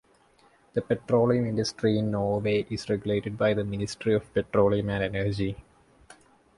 The petroleum industry in Norway is regulated by the Ministry of Petroleum and Energy.